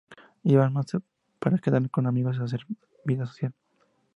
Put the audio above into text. Iban más para quedar con amigos y hacer vida social.